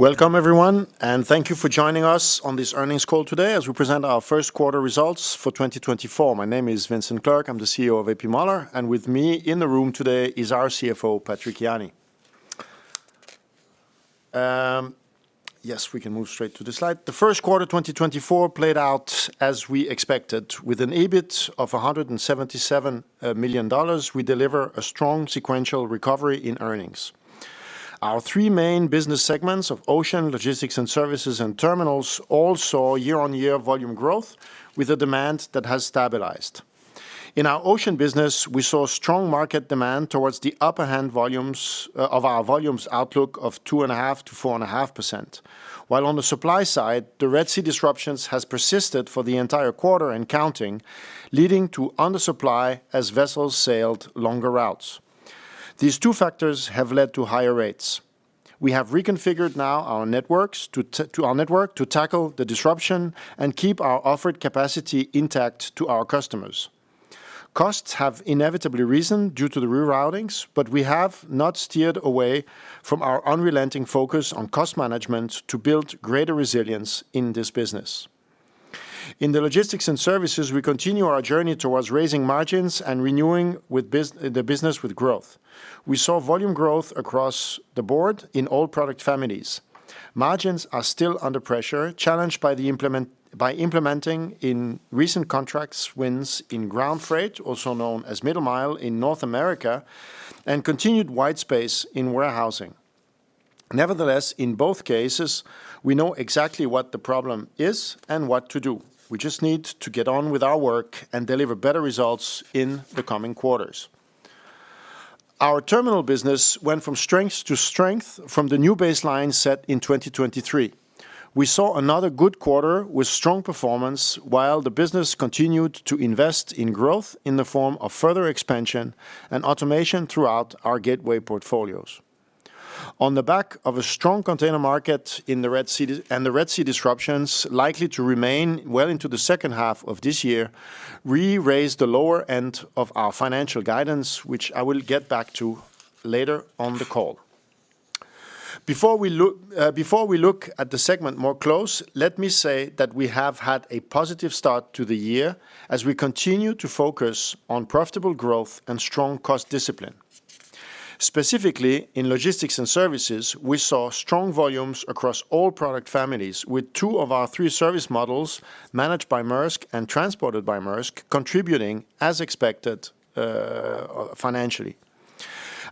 Welcome, everyone, and thank you for joining us on this earnings call today as we present our first quarter results for 2024. My name is Vincent Clerc, I'm the CEO of A.P. Moller - Maersk, and with me in the room today is our CFO, Patrick Jany. Yes, we can move straight to the slide. The first quarter 2024 played out as we expected. With an EBIT of $177 million, we deliver a strong sequential recovery in earnings. Our three main business segments of ocean, logistics, and services, and terminals all saw year-on-year volume growth, with a demand that has stabilized. In our ocean business, we saw strong market demand towards the upper end of our volumes outlook of 2.5%-4.5%, while on the supply side, the Red Sea disruptions have persisted for the entire quarter and counting, leading to undersupply as vessels sailed longer routes. These two factors have led to higher rates. We have now reconfigured our network to tackle the disruption and keep our offered capacity intact to our customers. Costs have inevitably risen due to the reroutings, but we have not steered away from our unrelenting focus on cost management to build greater resilience in this business. In the logistics and services, we continue our journey towards raising margins and renewing the business with growth. We saw volume growth across the board in all product families. Margins are still under pressure, challenged by implementing recent contract wins in ground freight, also known as middle mile, in North America, and continued white space in warehousing. Nevertheless, in both cases, we know exactly what the problem is and what to do. We just need to get on with our work and deliver better results in the coming quarters. Our terminal business went from strength to strength from the new baseline set in 2023. We saw another good quarter with strong performance while the business continued to invest in growth in the form of further expansion and automation throughout our gateway portfolios. On the back of a strong container market in the Red Sea crisis and the Red Sea disruptions, likely to remain well into the second half of this year, we raised the lower end of our financial guidance, which I will get back to later on the call. Before we look at the segment more closely, let me say that we have had a positive start to the year as we continue to focus on profitable growth and strong cost discipline. Specifically, in logistics and services, we saw strong volumes across all product families, with two of our three service models Managed by Maersk and Transported by Maersk contributing, as expected, financially.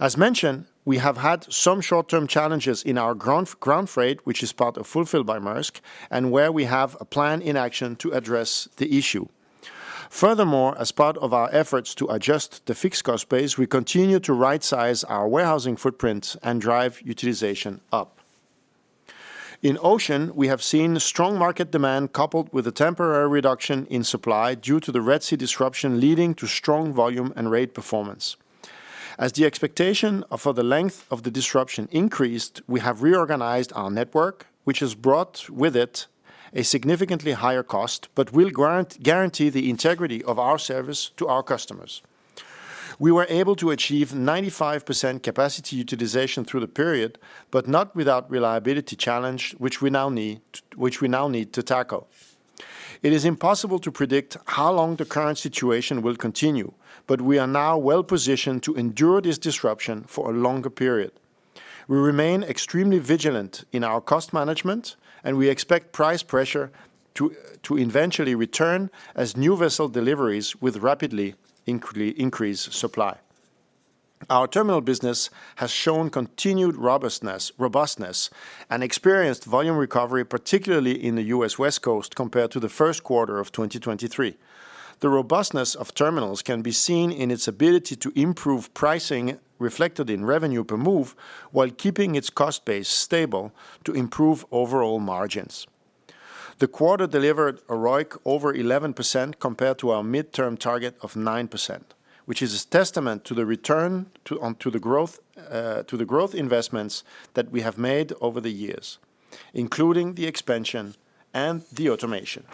As mentioned, we have had some short-term challenges in our ground freight, which is part of Fulfilled by Maersk, and where we have a plan in action to address the issue. Furthermore, as part of our efforts to adjust the fixed cost base, we continue to right-size our warehousing footprint and drive utilization up. In ocean, we have seen strong market demand coupled with a temporary reduction in supply due to the Red Sea disruption leading to strong volume and rate performance. As the expectation for the length of the disruption increased, we have reorganized our network, which has brought with it a significantly higher cost but will guarantee the integrity of our service to our customers. We were able to achieve 95% capacity utilization through the period but not without reliability challenge, which we now need to tackle. It is impossible to predict how long the current situation will continue, but we are now well-positioned to endure this disruption for a longer period. We remain extremely vigilant in our cost management, and we expect price pressure to eventually return as new vessel deliveries with rapidly increasing supply. Our terminal business has shown continued robustness and experienced volume recovery, particularly in the US West Coast compared to the first quarter of 2023. The robustness of terminals can be seen in its ability to improve pricing reflected in revenue per move while keeping its cost base stable to improve overall margins. The quarter delivered a ROIC over 11% compared to our mid-term target of 9%, which is a testament to the return to the growth investments that we have made over the years, including the expansion and the automation.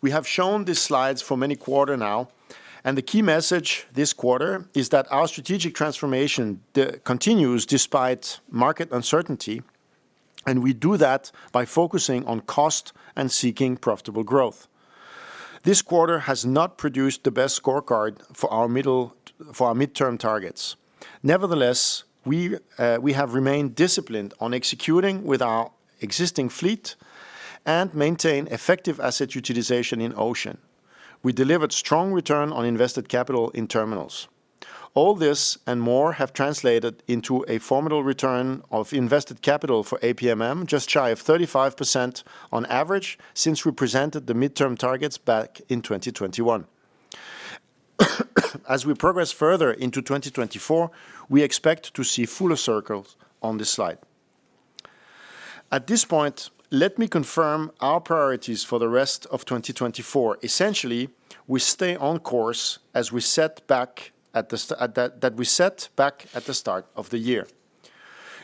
We have shown these slides for many quarters now, and the key message this quarter is that our strategic transformation continues despite market uncertainty, and we do that by focusing on cost and seeking profitable growth. This quarter has not produced the best scorecard for our mid-term targets. Nevertheless, we have remained disciplined on executing with our existing fleet and maintain effective asset utilization in ocean. We delivered strong return on invested capital in terminals. All this and more have translated into a formidable return on invested capital for APMM, just shy of 35% on average since we presented the mid-term targets back in 2021. As we progress further into 2024, we expect to see fuller circles on this slide. At this point, let me confirm our priorities for the rest of 2024. Essentially, we stay on course as we set out at the start of the year.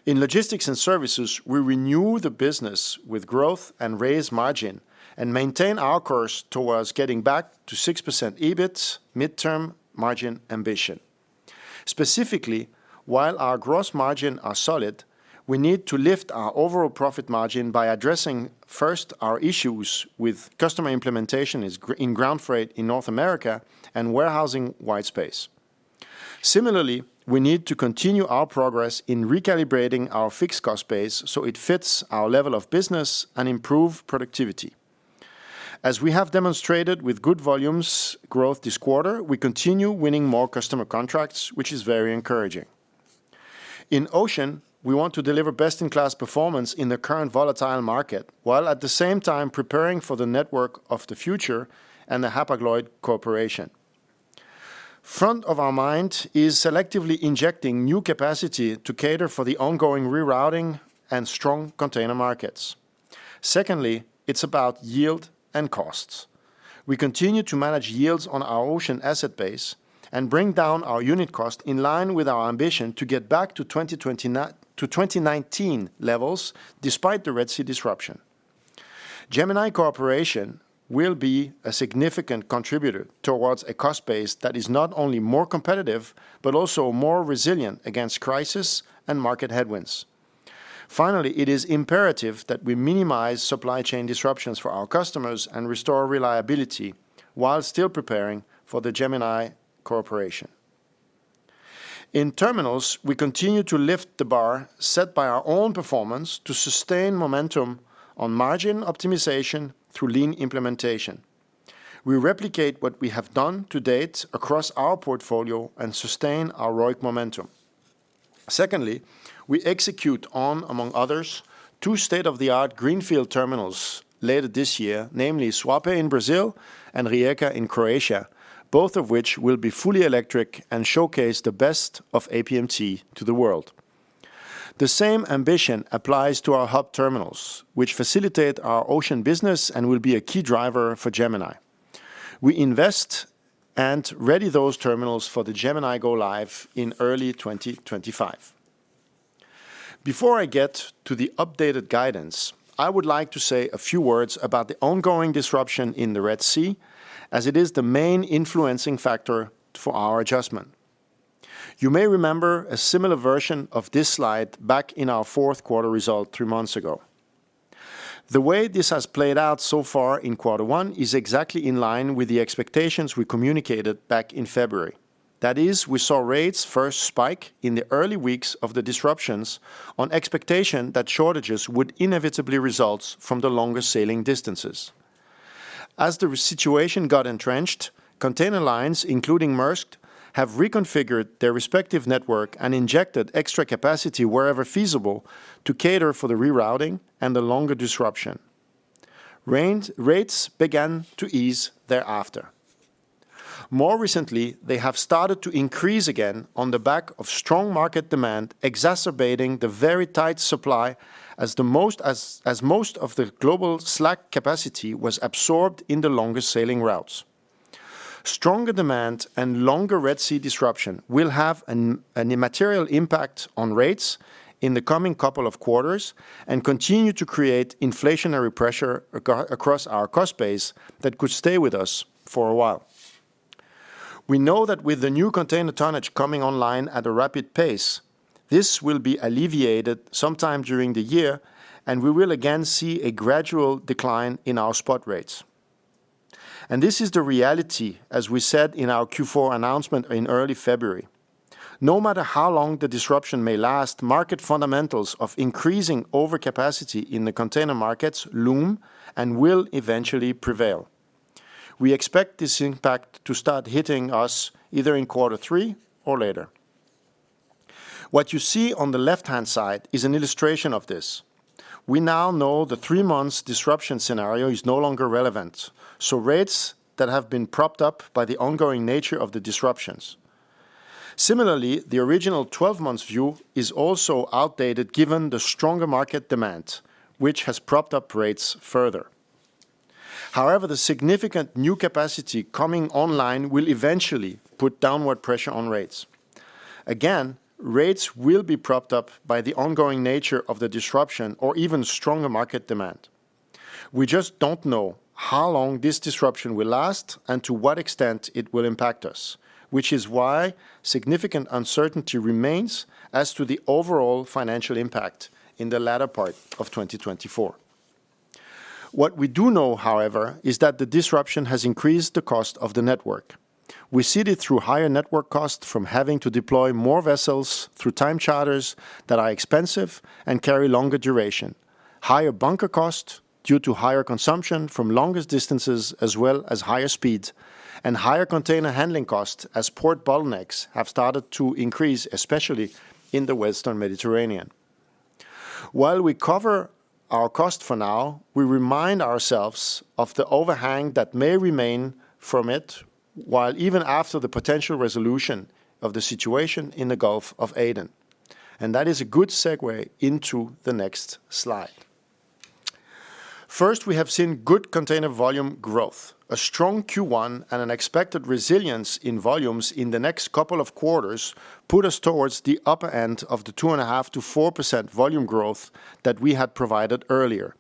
In logistics and services, we renew the business with growth and raise margin and maintain our course towards getting back to 6% EBIT mid-term margin ambition. Specifically, while our gross margins are solid, we need to lift our overall profit margin by addressing first our issues with customer implementation issues in ground freight in North America and warehousing white space. Similarly, we need to continue our progress in recalibrating our fixed cost base so it fits our level of business and improve productivity. As we have demonstrated with good volumes growth this quarter, we continue winning more customer contracts, which is very encouraging. In ocean, we want to deliver best-in-class performance in the current volatile market while at the same time preparing for the network of the future and the Hapag-Lloyd Corporation. Front of our mind is selectively injecting new capacity to cater for the ongoing rerouting and strong container markets. Secondly, it's about yield and costs. We continue to manage yields on our ocean asset base and bring down our unit cost in line with our ambition to get back to 2029 to 2019 levels despite the Red Sea disruption. Gemini Cooperation will be a significant contributor towards a cost base that is not only more competitive but also more resilient against crisis and market headwinds. Finally, it is imperative that we minimize supply chain disruptions for our customers and restore reliability while still preparing for the Gemini Cooperation. In terminals, we continue to lift the bar set by our own performance to sustain momentum on margin optimization through lean implementation. We replicate what we have done to date across our portfolio and sustain our ROIC momentum. Secondly, we execute on, among others, two state-of-the-art greenfield terminals later this year, namely Suape in Brazil and Rijeka in Croatia, both of which will be fully electric and showcase the best of APMT to the world. The same ambition applies to our hub terminals, which facilitate our ocean business and will be a key driver for Gemini. We invest and ready those terminals for the Gemini Go Live in early 2025. Before I get to the updated guidance, I would like to say a few words about the ongoing disruption in the Red Sea as it is the main influencing factor for our adjustment. You may remember a similar version of this slide back in our fourth quarter result three months ago. The way this has played out so far in quarter one is exactly in line with the expectations we communicated back in February. That is, we saw rates first spike in the early weeks of the disruptions on expectation that shortages would inevitably result from the longer sailing distances. As the Red Sea situation got entrenched, container lines, including Maersk, have reconfigured their respective network and injected extra capacity wherever feasible to cater for the rerouting and the longer disruption. Freight rates began to ease thereafter. More recently, they have started to increase again on the back of strong market demand exacerbating the very tight supply, as most of the global slack capacity was absorbed in the longer sailing routes. Stronger demand and longer Red Sea disruption will have an immaterial impact on rates in the coming couple of quarters and continue to create inflationary pressure across our cost base that could stay with us for a while. We know that with the new container tonnage coming online at a rapid pace, this will be alleviated sometime during the year, and we will again see a gradual decline in our spot rates. This is the reality, as we said in our Q4 announcement in early February. No matter how long the disruption may last, market fundamentals of increasing overcapacity in the container markets loom and will eventually prevail. We expect this impact to start hitting us either in quarter three or later. What you see on the left-hand side is an illustration of this. We now know the 3-month disruption scenario is no longer relevant, so rates that have been propped up by the ongoing nature of the disruptions. Similarly, the original 12-month view is also outdated given the stronger market demand, which has propped up rates further. However, the significant new capacity coming online will eventually put downward pressure on rates. Again, rates will be propped up by the ongoing nature of the disruption or even stronger market demand. We just don't know how long this disruption will last and to what extent it will impact us, which is why significant uncertainty remains as to the overall financial impact in the latter part of 2024. What we do know, however, is that the disruption has increased the cost of the network. We see it through higher network costs from having to deploy more vessels through time charters that are expensive and carry longer duration, higher bunker cost due to higher consumption from longest distances as well as higher speed, and higher container handling cost as port bottlenecks have started to increase, especially in the Western Mediterranean. While we cover our cost for now, we remind ourselves of the overhang that may remain from it while even after the potential resolution of the situation in the Gulf of Aden. That is a good segue into the next slide. First, we have seen good container volume growth. A strong Q1 and an expected resilience in volumes in the next couple of quarters put us towards the upper end of the 2.5%-4% volume growth that we had provided earlier.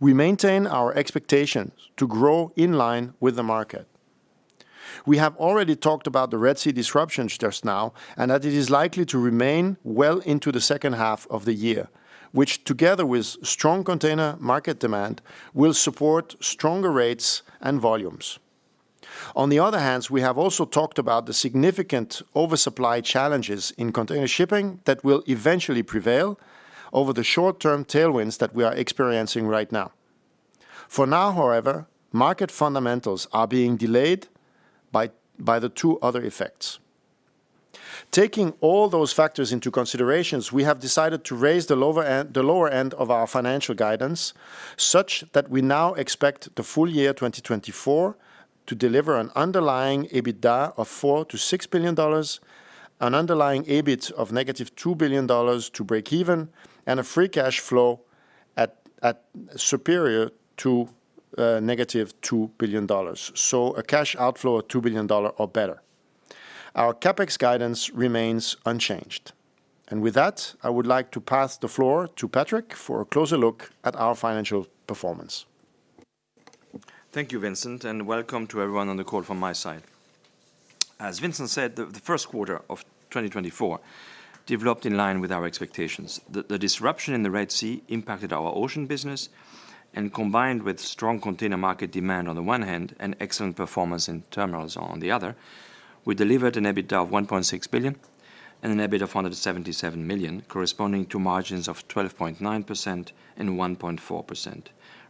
We maintain our expectations to grow in line with the market. We have already talked about the Red Sea disruptions just now and that it is likely to remain well into the second half of the year, which together with strong container market demand will support stronger rates and volumes. On the other hand, we have also talked about the significant oversupply challenges in container shipping that will eventually prevail over the short-term tailwinds that we are experiencing right now. For now, however, market fundamentals are being delayed by the two other effects. Taking all those factors into consideration, we have decided to raise the lower end of our financial guidance such that we now expect the full year 2024 to deliver an underlying EBITDA of $4 billion-$6 billion, an underlying EBIT of -$2 billion to break even, and a free cash flow at superior to -$2 billion. So a cash outflow of $2 billion or better. Our CapEx guidance remains unchanged. And with that, I would like to pass the floor to Patrick for a closer look at our financial performance. Thank you, Vincent, and welcome to everyone on the call from my side. As Vincent said, the first quarter of 2024 developed in line with our expectations. The disruption in the Red Sea impacted our ocean business, and combined with strong container market demand on the one hand and excellent performance in terminals on the other, we delivered an EBITDA of $1.6 billion and an EBITDA of $177 million, corresponding to margins of 12.9% and 1.4%,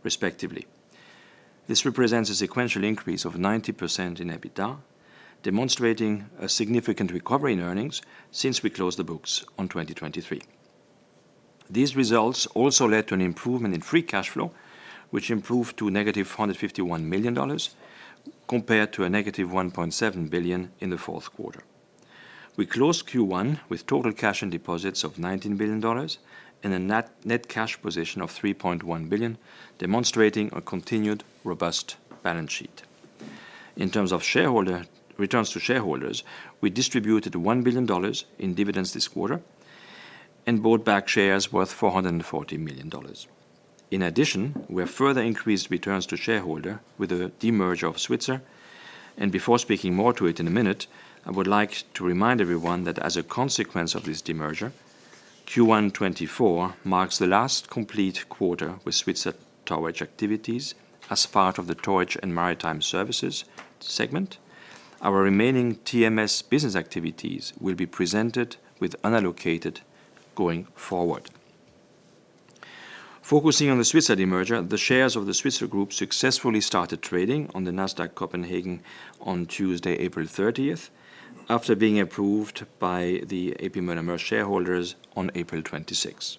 respectively. This represents a sequential increase of 90% in EBITDA, demonstrating a significant recovery in earnings since we closed the books on 2023. These results also led to an improvement in free cash flow, which improved to negative $151 million compared to a negative $1.7 billion in the fourth quarter. We closed Q1 with total cash and deposits of $19 billion and a net cash position of $3.1 billion, demonstrating a continued robust balance sheet. In terms of shareholder returns to shareholders, we distributed $1 billion in dividends this quarter and bought back shares worth $440 million. In addition, we have further increased returns to shareholder with the demerger of Svitzer. Before speaking more to it in a minute, I would like to remind everyone that as a consequence of this demerger, Q1 2024 marks the last complete quarter with Svitzer towage activities as part of the towage and maritime services segment. Our remaining TMS business activities will be presented with unallocated going forward. Focusing on the Svitzer demerger, the shares of the Svitzer Group successfully started trading on the Nasdaq Copenhagen on Tuesday, April 30th, after being approved by the A.P. Moller-Maersk shareholders on April 26th.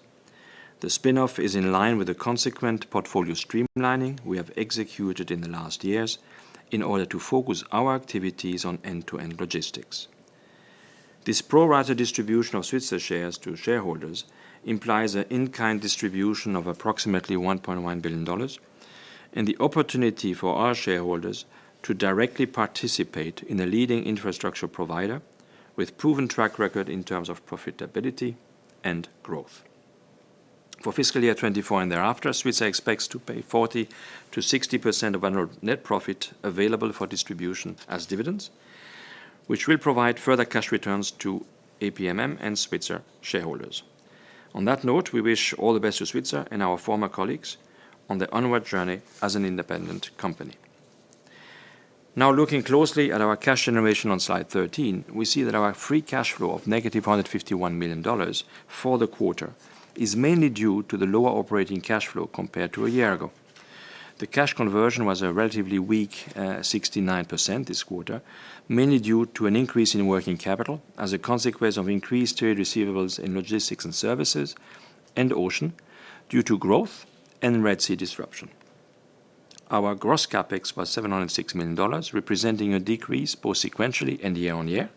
The spinoff is in line with the consequent portfolio streamlining we have executed in the last years in order to focus our activities on end-to-end logistics. This pro-rata distribution of Svitzer shares to shareholders implies an in-kind distribution of approximately $1.1 billion and the opportunity for our shareholders to directly participate in a leading infrastructure provider with proven track record in terms of profitability and growth. For fiscal year 2024 and thereafter, Svitzer expects to pay 40%-60% of annual net profit available for distribution as dividends, which will provide further cash returns to APMM and Svitzer shareholders. On that note, we wish all the best to Svitzer and our former colleagues on their onward journey as an independent company. Now, looking closely at our cash generation on slide 13, we see that our free cash flow of -$151 million for the quarter is mainly due to the lower operating cash flow compared to a year ago. The cash conversion was a relatively weak 69% this quarter, mainly due to an increase in working capital as a consequence of increased tiered receivables in logistics and services and ocean due to growth and Red Sea disruption. Our gross CapEx was $706 million, representing a decrease both sequentially and year-on-year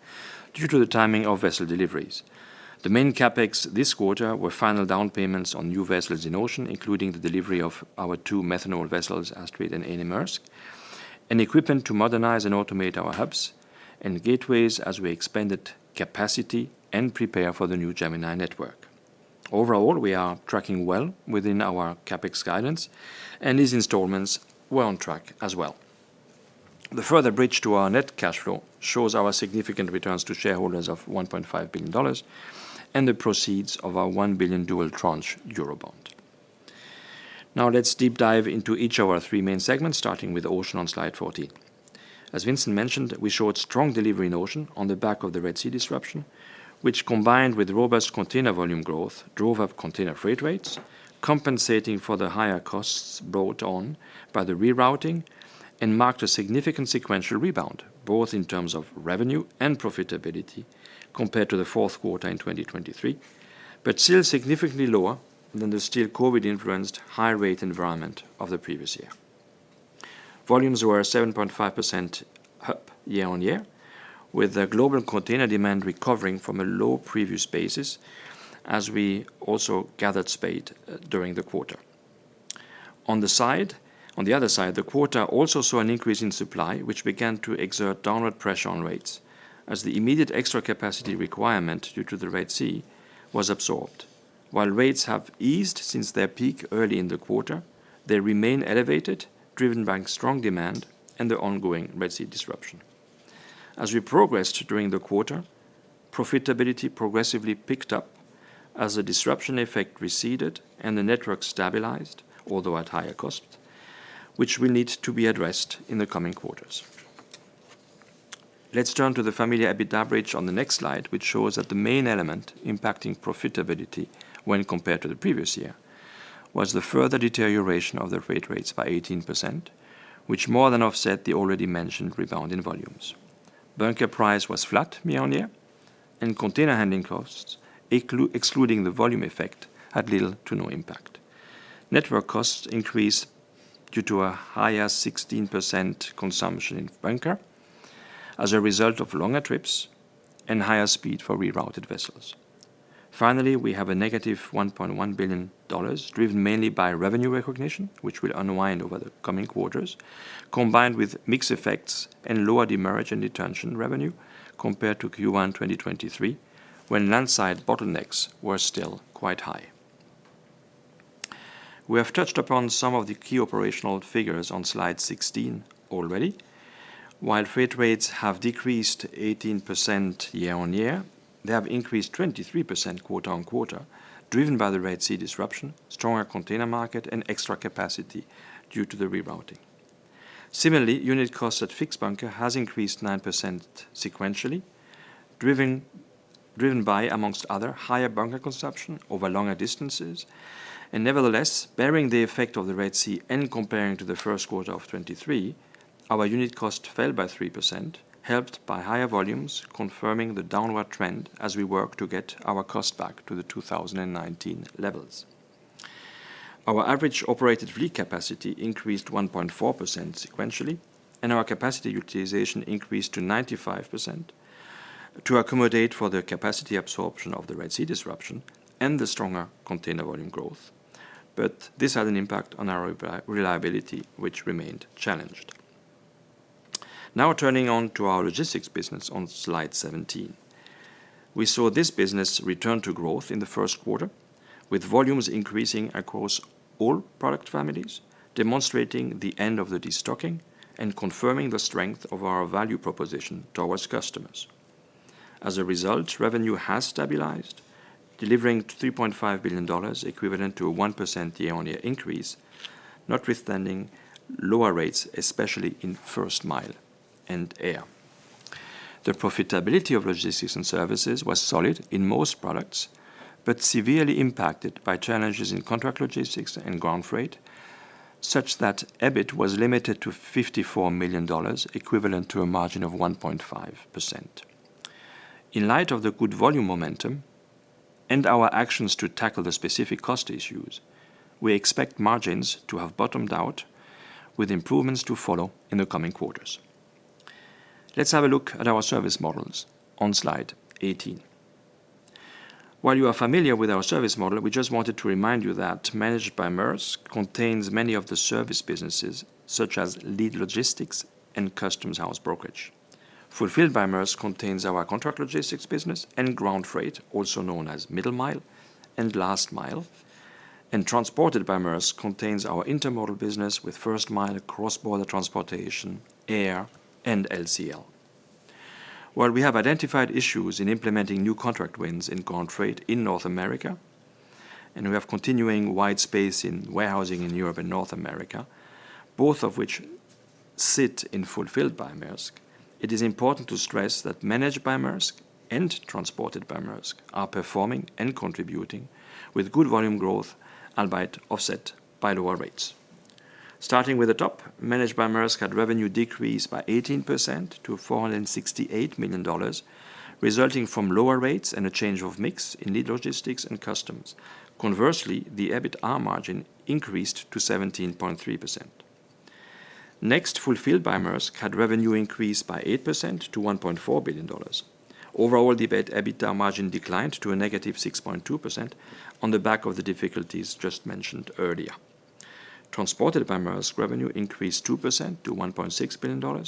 due to the timing of vessel deliveries. The main CapEx this quarter were final down payments on new vessels in ocean, including the delivery of our two methanol vessels, Astrid and Ane Maersk, and equipment to modernize and automate our hubs and gateways as we expanded capacity and prepare for the new Gemini network. Overall, we are tracking well within our CapEx guidance, and these installments were on track as well. The further bridge to our net cash flow shows our significant returns to shareholders of $1.5 billion and the proceeds of our $1 billion dual tranche Eurobond. Now, let's deep dive into each of our three main segments, starting with ocean on slide 14. As Vincent mentioned, we showed strong delivery in ocean on the back of the Red Sea disruption, which combined with robust container volume growth drove up container freight rates, compensating for the higher costs brought on by the rerouting, and marked a significant sequential rebound both in terms of revenue and profitability compared to the fourth quarter in 2023, but still significantly lower than the still COVID-influenced high-rate environment of the previous year. Volumes were up 7.5% year-over-year, with the global container demand recovering from a low previous-year basis as we also gathered pace during the quarter. On the other side, the quarter also saw an increase in supply, which began to exert downward pressure on rates as the immediate extra capacity requirement due to the Red Sea was absorbed. While rates have eased since their peak early in the quarter, they remain elevated, driven by strong demand and the ongoing Red Sea disruption. As we progressed during the quarter, profitability progressively picked up as the disruption effect receded and the network stabilized, although at higher costs, which will need to be addressed in the coming quarters. Let's turn to the familiar EBITDA bridge on the next slide, which shows that the main element impacting profitability when compared to the previous year was the further deterioration of the freight rates by 18%, which more than offset the already mentioned rebound in volumes. Bunker price was flat year-on-year, and container handling costs, excluding the volume effect, had little to no impact. Network costs increased due to a higher 16% consumption in bunker as a result of longer trips and higher speed for rerouted vessels. Finally, we have a negative $1.1 billion driven mainly by revenue recognition, which will unwind over the coming quarters, combined with mixed effects and lower demurrage and detention revenue compared to Q1 2023 when landside bottlenecks were still quite high. We have touched upon some of the key operational figures on slide 16 already. While freight rates have decreased 18% year-on-year, they have increased 23% quarter-on-quarter driven by the Red Sea disruption, stronger container market, and extra capacity due to the rerouting. Similarly, unit cost at fixed bunker has increased 9% sequentially, driven by, among others, higher bunker consumption over longer distances. Nevertheless, bearing the effect of the Red Sea and comparing to the first quarter of 2023, our unit cost fell by 3%, helped by higher volumes confirming the downward trend as we work to get our cost back to the 2019 levels. Our average operated fleet capacity increased 1.4% sequentially, and our capacity utilization increased to 95% to accommodate for the capacity absorption of the Red Sea disruption and the stronger container volume growth. But this had an impact on our reliability, which remained challenged. Now, turning to our logistics business on slide 17. We saw this business return to growth in the first quarter, with volumes increasing across all product families, demonstrating the end of the destocking and confirming the strength of our value proposition towards customers. As a result, revenue has stabilized, delivering $3.5 billion equivalent to a 1% year-on-year increase, notwithstanding lower rates, especially in first mile and air. The profitability of logistics and services was solid in most products but severely impacted by challenges in contract logistics and ground freight such that EBIT was limited to $54 million equivalent to a margin of 1.5%. In light of the good volume momentum and our actions to tackle the specific cost issues, we expect margins to have bottomed out with improvements to follow in the coming quarters. Let's have a look at our service models on slide 18. While you are familiar with our service model, we just wanted to remind you that Managed by Maersk contains many of the service businesses such as Lead Logistics and Customs House Brokerage. Fulfilled by Maersk contains our Contract Logistics business and ground freight, also known as middle mile and last mile. Transported by Maersk contains our intermodal business with first mile cross-border transportation, air, and LCL. While we have identified issues in implementing new contract wins in ground freight in North America and we have continuing white space in warehousing in Europe and North America, both of which sit in Fulfilled by Maersk, it is important to stress that Managed by Maersk and Transported by Maersk are performing and contributing with good volume growth albeit offset by lower rates. Starting with the top, Managed by Maersk had revenue decreased by 18% to $468 million, resulting from lower rates and a change of mix in lead logistics and customs. Conversely, the EBITDA margin increased to 17.3%. Next, Fulfilled by Maersk had revenue increased by 8% to $1.4 billion. Overall, the EBITDA margin declined to -6.2% on the back of the difficulties just mentioned earlier. Transported by Maersk revenue increased 2% to $1.6 billion,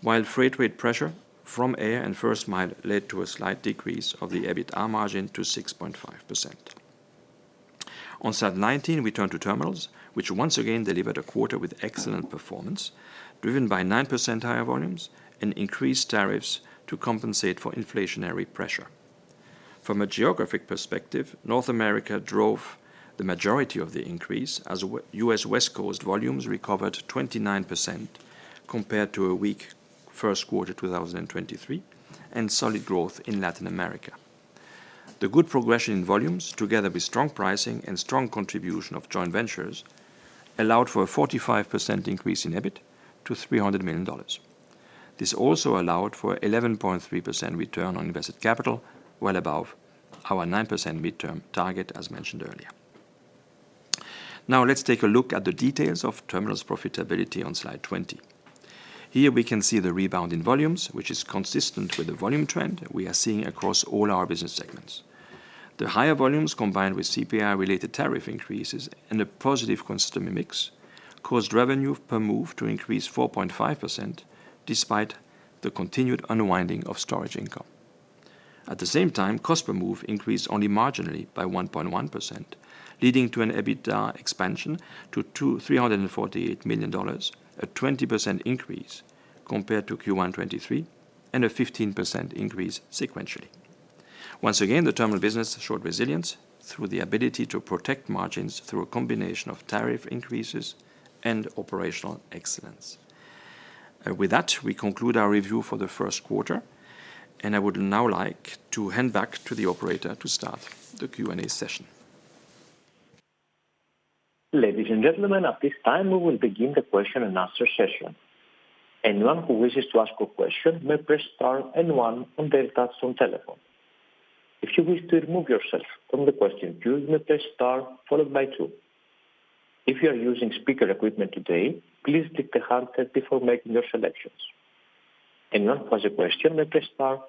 while freight rate pressure from air and first mile led to a slight decrease of the EBITDA margin to 6.5%. On slide 19, we turn to terminals, which once again delivered a quarter with excellent performance driven by 9% higher volumes and increased tariffs to compensate for inflationary pressure. From a geographic perspective, North America drove the majority of the increase as US West Coast volumes recovered 29% compared to a weak first quarter 2023 and solid growth in Latin America. The good progression in volumes, together with strong pricing and strong contribution of joint ventures, allowed for a 45% increase in EBIT to $300 million. This also allowed for an 11.3% return on invested capital, well above our 9% midterm target, as mentioned earlier. Now, let's take a look at the details of Terminals profitability on slide 20. Here, we can see the rebound in volumes, which is consistent with the volume trend we are seeing across all our business segments. The higher volumes combined with CPI-related tariff increases and a positive consumer mix caused revenue per move to increase 4.5% despite the continued unwinding of storage income. At the same time, cost per move increased only marginally by 1.1%, leading to an EBITDA expansion to $348 million, a 20% increase compared to Q1 2023, and a 15% increase sequentially. Once again, the terminal business showed resilience through the ability to protect margins through a combination of tariff increases and operational excellence. With that, we conclude our review for the first quarter, and I would now like to hand back to the operator to start the Q&A session. Ladies and gentlemen, at this time, we will begin the question and answer session. Anyone who wishes to ask a question may press star and one on Delta's phone telephone. If you wish to remove yourself from the question queue, you may press star followed by two. If you are using speaker equipment today, please click the handset before making your selections. Anyone who has a question may press star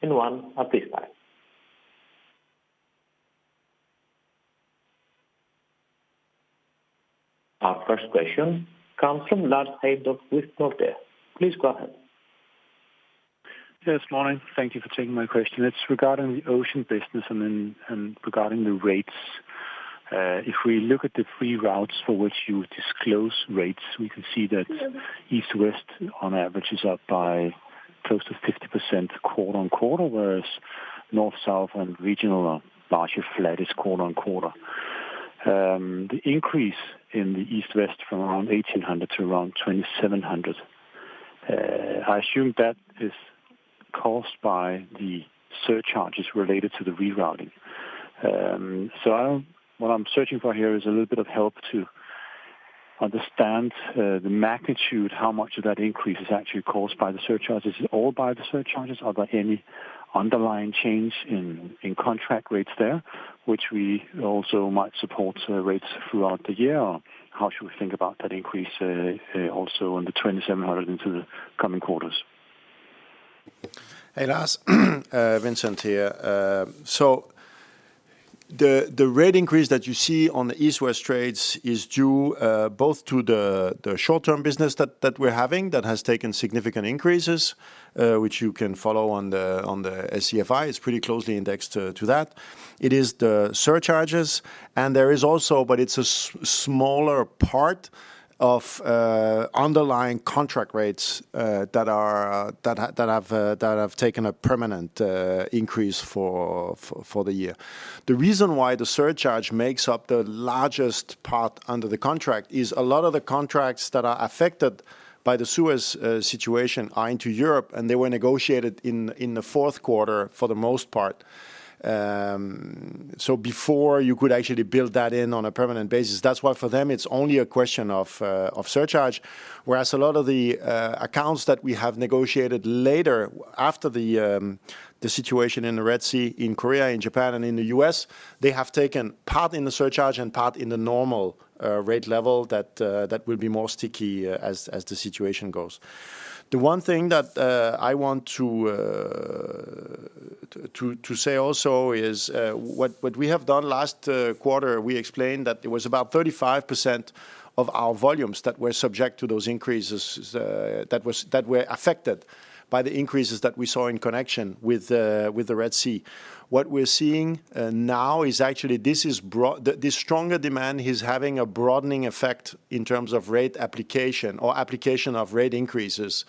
and one at this time. Our first question comes from Lars Heindorff with Nordea. Please go ahead. Yes, morning. Thank you for taking my question. It's regarding the Ocean business and regarding the rates. If we look at the three routes for which you disclose rates, we can see that east-west on average is up by close to 50% quarter-on-quarter, whereas north-south and regional are largely flat quarter-on-quarter. The increase in the east-west from around $1,800 to around $2,700, I assume that is caused by the surcharges related to the rerouting. So what I'm searching for here is a little bit of help to understand the magnitude, how much of that increase is actually caused by the surcharges. Is it all by the surcharges? Are there any underlying change in contract rates there, which we also might support rates throughout the year? Or how should we think about that increase also in the $2,700 into the coming quarters? Hey, Lars. Vincent here. So the rate increase that you see on the east-west trades is due both to the short-term business that we're having that has taken significant increases, which you can follow on the SCFI. It's pretty closely indexed to that. It is the surcharges, and there is also but it's a smaller part of underlying contract rates that have taken a permanent increase for the year. The reason why the surcharge makes up the largest part under the contract is a lot of the contracts that are affected by the Suez situation are into Europe, and they were negotiated in the fourth quarter for the most part. So before, you could actually build that in on a permanent basis. That's why for them, it's only a question of surcharge. Whereas a lot of the accounts that we have negotiated later after the situation in the Red Sea, in Korea, in Japan, and in the U.S., they have taken part in the surcharge and part in the normal rate level that will be more sticky as the situation goes. The one thing that I want to say also is what we have done last quarter; we explained that it was about 35% of our volumes that were subject to those increases that were affected by the increases that we saw in connection with the Red Sea. What we're seeing now is actually this stronger demand is having a broadening effect in terms of rate application or application of rate increases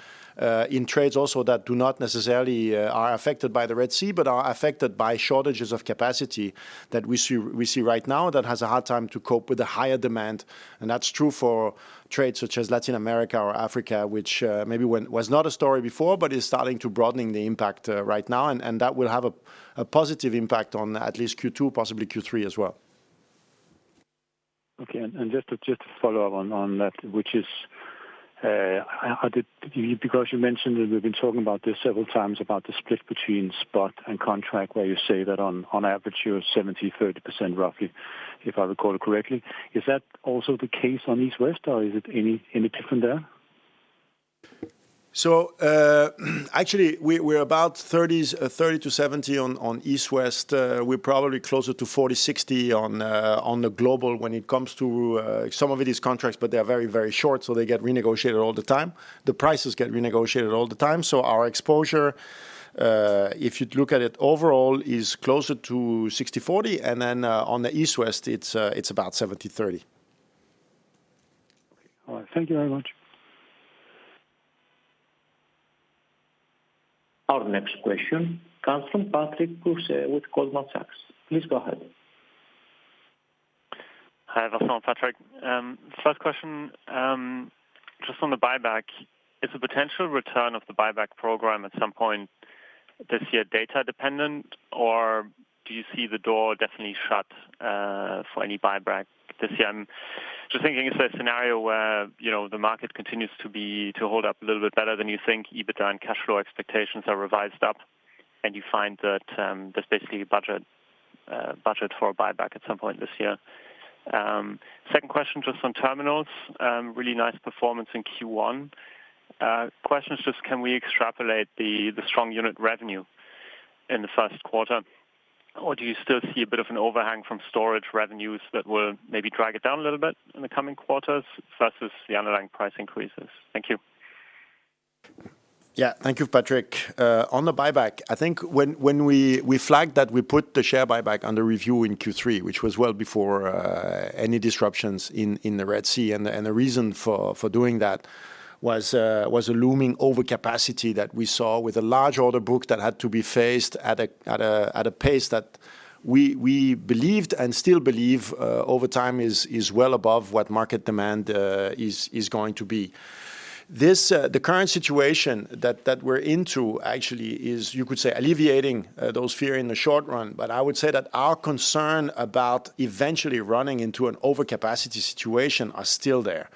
in trades also that do not necessarily are affected by the Red Sea but are affected by shortages of capacity that we see right now that has a hard time to cope with the higher demand. That's true for trades such as Latin America or Africa, which maybe was not a story before but is starting to broadening the impact right now. That will have a positive impact on at least Q2, possibly Q3 as well. Okay. And just to follow up on that, which is because you mentioned that we've been talking about this several times, about the split between spot and contract, where you say that on average, you're 70%-30% roughly, if I recall it correctly. Is that also the case on east-west, or is it any different there? So actually, we're about 30-70 on east-west. We're probably closer to 40-60 on the global when it comes to some of it is contracts, but they are very, very short, so they get renegotiated all the time. The prices get renegotiated all the time. So our exposure, if you look at it overall, is closer to 60-40. And then on the east-west, it's about 70-30. Okay. All right. Thank you very much. Our next question comes from Patrick Creuset with Goldman Sachs. Please go ahead. Hi everyone, Patrick. First question, just on the buyback, is the potential return of the buyback program at some point this year data-dependent, or do you see the door definitely shut for any buyback this year? I'm just thinking it's a scenario where the market continues to hold up a little bit better than you think, EBITDA and cash flow expectations are revised up, and you find that there's basically a budget for a buyback at some point this year. Second question, just on terminals, really nice performance in Q1. Question is just, can we extrapolate the strong unit revenue in the first quarter, or do you still see a bit of an overhang from storage revenues that will maybe drag it down a little bit in the coming quarters versus the underlying price increases? Thank you. Yeah. Thank you, Patrick. On the buyback, I think when we flagged that we put the share buyback under review in Q3, which was well before any disruptions in the Red Sea. The reason for doing that was a looming overcapacity that we saw with a large order book that had to be faced at a pace that we believed and still believe over time is well above what market demand is going to be. The current situation that we're into actually is, you could say, alleviating those fears in the short run, but I would say that our concern about eventually running into an overcapacity situation is still there.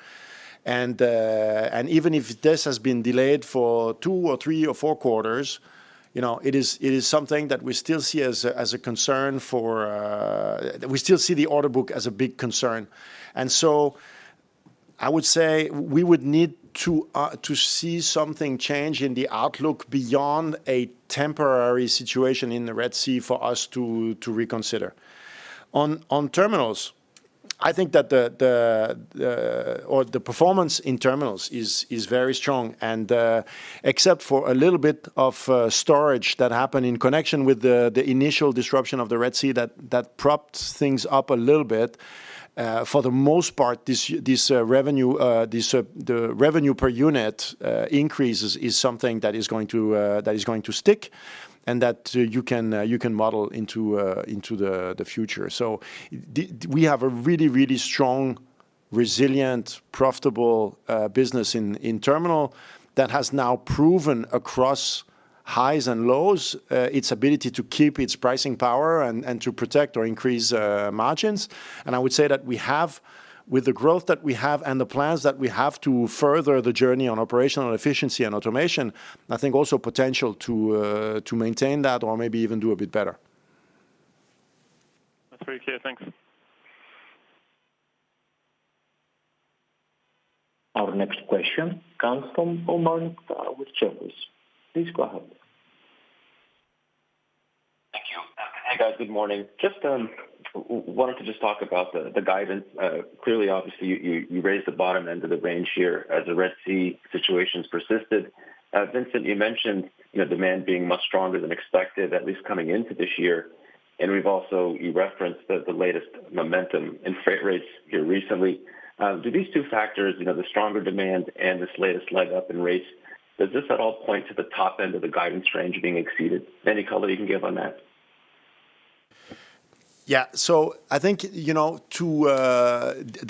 Even if this has been delayed for two or three or four quarters, it is something that we still see as a concern for we still see the order book as a big concern. So I would say we would need to see something change in the outlook beyond a temporary situation in the Red Sea for us to reconsider. On terminals, I think that the performance in terminals is very strong. Except for a little bit of storage that happened in connection with the initial disruption of the Red Sea that propped things up a little bit, for the most part, the revenue per unit increases is something that is going to stick and that you can model into the future. We have a really, really strong, resilient, profitable business in terminal that has now proven across highs and lows its ability to keep its pricing power and to protect or increase margins. I would say that we have, with the growth that we have and the plans that we have to further the journey on operational efficiency and automation, I think also potential to maintain that or maybe even do a bit better. That's very clear. Thanks. Our next question comes from Omar Nokta with Jefferies. Please go ahead. Thank you. Hey, guys. Good morning. Just wanted to just talk about the guidance. Clearly, obviously, you raised the bottom end of the range here as the Red Sea situation persisted. Vincent, you mentioned demand being much stronger than expected, at least coming into this year. And you've also referenced the latest momentum in freight rates here recently. Do these two factors, the stronger demand and this latest leg up in rates, point to the top end of the guidance range being exceeded? Any color you can give on that? Yeah. So I think the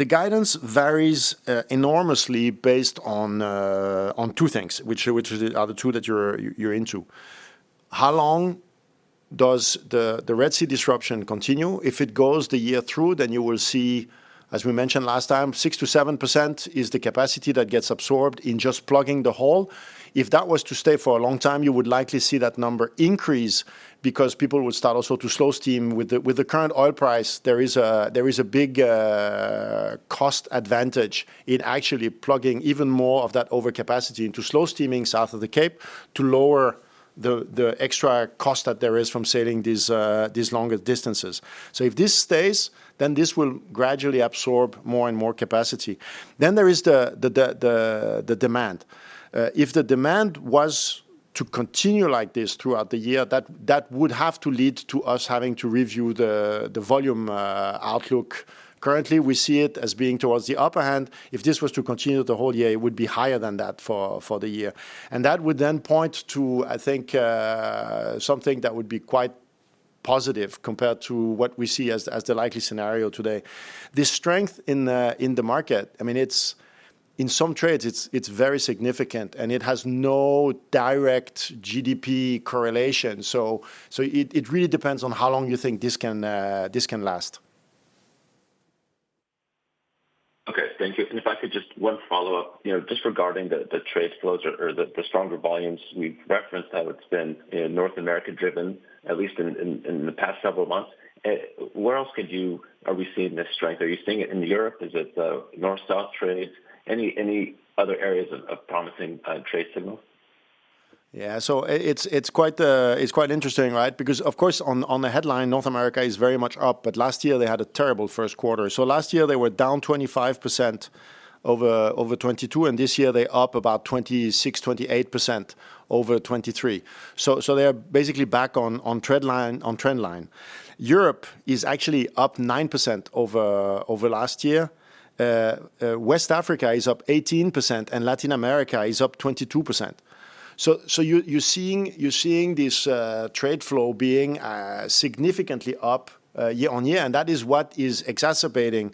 guidance varies enormously based on two things, which are the two that you're into. How long does the Red Sea disruption continue? If it goes the year through, then you will see, as we mentioned last time, 6%-7% is the capacity that gets absorbed in just plugging the hole. If that was to stay for a long time, you would likely see that number increase because people would start also to slow steaming. With the current oil price, there is a big cost advantage in actually plugging even more of that overcapacity into slow steaming south of the Cape to lower the extra cost that there is from sailing these longer distances. So if this stays, then this will gradually absorb more and more capacity. Then there is the demand. If the demand was to continue like this throughout the year, that would have to lead to us having to review the volume outlook. Currently, we see it as being towards the upper hand. If this was to continue the whole year, it would be higher than that for the year. That would then point to, I think, something that would be quite positive compared to what we see as the likely scenario today. The strength in the market, I mean, in some trades, it's very significant, and it has no direct GDP correlation. So it really depends on how long you think this can last. Okay. Thank you. And if I could just one follow-up, just regarding the trade flows or the stronger volumes we've referenced, I would say North America-driven, at least in the past several months. Where else are we seeing this strength? Are you seeing it in Europe? Is it the north-south trades? Any other areas of promising trade signals? Yeah. So it's quite interesting, right? Because, of course, on the headline, North America is very much up, but last year, they had a terrible first quarter. So last year, they were down 25% over 2022, and this year, they're up about 26%-28% over 2023. So they are basically back on trendline. Europe is actually up 9% over last year. West Africa is up 18%, and Latin America is up 22%. So you're seeing this trade flow being significantly up year-on-year, and that is what is exacerbating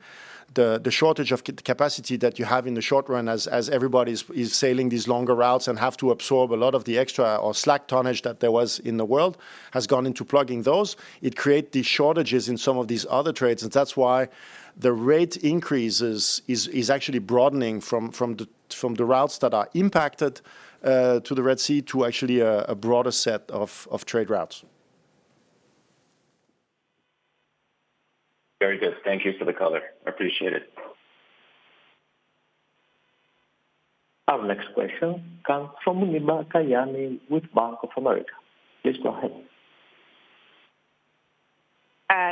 the shortage of capacity that you have in the short run as everybody is sailing these longer routes and has to absorb a lot of the extra or slack tonnage that there was in the world has gone into plugging those. It creates these shortages in some of these other trades. That's why the rate increases is actually broadening from the routes that are impacted to the Red Sea to actually a broader set of trade routes. Very good. Thank you for the color. I appreciate it. Our next question comes from Muneeba Kayani with Bank of America. Please go ahead.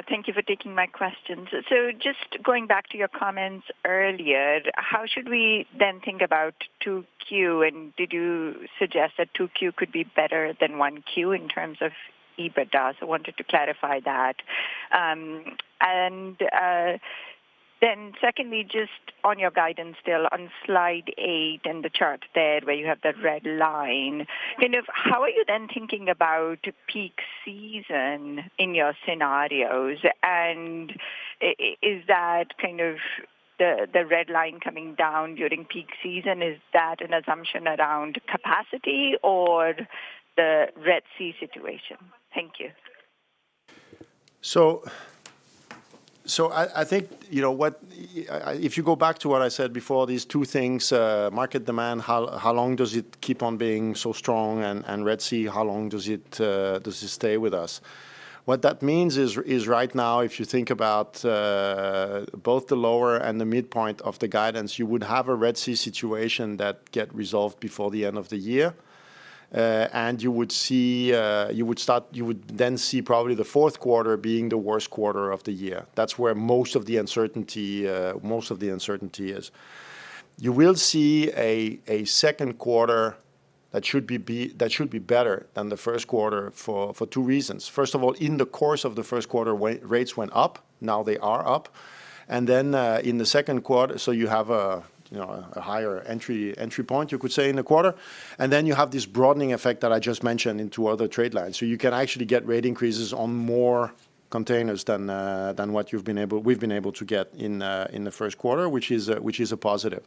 Thank you for taking my questions. So just going back to your comments earlier, how should we then think about 2Q? And did you suggest that 2Q could be better than 1Q in terms of EBITDA? So I wanted to clarify that. And then secondly, just on your guidance still, on slide 8 and the chart there where you have that red line, kind of how are you then thinking about peak season in your scenarios? And is that kind of the red line coming down during peak season, is that an assumption around capacity or the Red Sea situation? Thank you. So I think if you go back to what I said before, these two things, market demand, how long does it keep on being so strong, and Red Sea, how long does it stay with us? What that means is right now, if you think about both the lower and the midpoint of the guidance, you would have a Red Sea situation that gets resolved before the end of the year. And you would then see probably the fourth quarter being the worst quarter of the year. That's where most of the uncertainty is. You will see a second quarter that should be better than the first quarter for two reasons. First of all, in the course of the first quarter, rates went up. Now they are up. And then in the second quarter, so you have a higher entry point, you could say, in the quarter. And then you have this broadening effect that I just mentioned into other trade lines. So you can actually get rate increases on more containers than what we've been able to get in the first quarter, which is a positive.